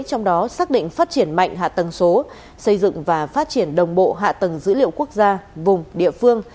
trong đó xác định phát triển mạnh hạ tầng số xây dựng và phát triển đồng bộ hạ tầng dữ liệu quốc gia vùng địa phương